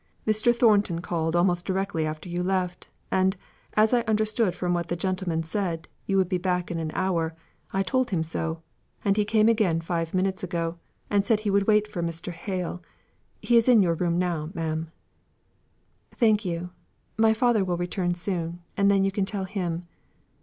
Mr. Thornton called almost directly after you left; and as I understood, from what the gentleman said, you would be back in an hour, I told him so, and he came again about five minutes ago, and said he would wait for Mr. Hale. He is in your room now, ma'am." "Thank you. My father will return soon, and then you can tell him."